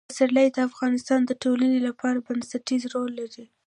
پسرلی د افغانستان د ټولنې لپاره بنسټيز رول لري.